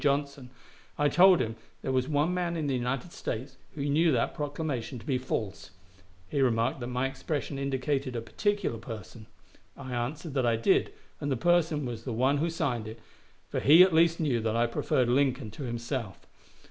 Johnson, I told him there was one man in the United States who knew that proclamation to be false. He remarked that my expression indicated a particular person. I answered that I did, and the person was the one who signed it, for he at least knew that I preferred Lincoln to himself.